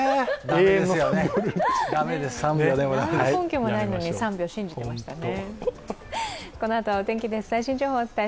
何の根拠もないのに３秒、信じてましたね。